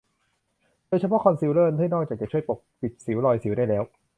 โดยเฉพาะคอนซีลเลอร์ ที่นอกจากจะช่วยปกปิดสิว รอยสิวได้แล้ว